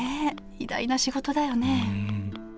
偉大な仕事だよね